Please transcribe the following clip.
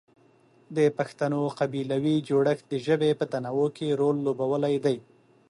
د پښتنو قبیلوي جوړښت د ژبې په تنوع کې رول لوبولی دی.